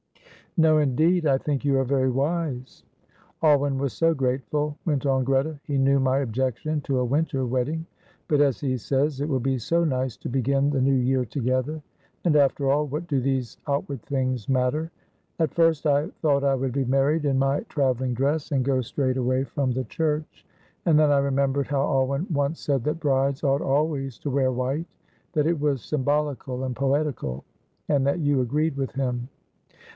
"No, indeed. I think you are very wise." "Alwyn was so grateful," went on Greta; "he knew my objection to a winter wedding; but, as he says, it will be so nice to begin the new year together; and, after all, what do these outward things matter? At first I thought I would be married in my travelling dress, and go straight away from the church; and then I remembered how Alwyn once said that brides ought always to wear white, that it was symbolical and poetical, and that you agreed with him."